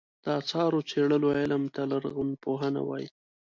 د اثارو څېړلو علم ته لرغونپوهنه وایې.